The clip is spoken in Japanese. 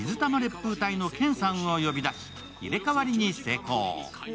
ぷう隊のケンさんを呼び出し、入れ替わりに成功。